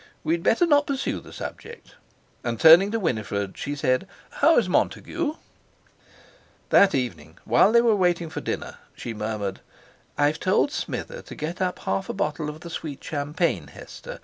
We'd better not pursue the subject;" and turning to Winifred, she said: "How is Montague?" That evening, while they were waiting for dinner, she murmured: "I've told Smither to get up half a bottle of the sweet champagne, Hester.